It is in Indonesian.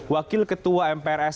wakil ketua mprs